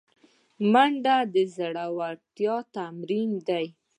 منډه د زړورتیا تمرین دی